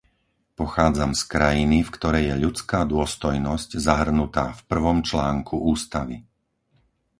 Pochádzam z krajiny, v ktorej je ľudská dôstojnosť zahrnutá v prvom článku ústavy.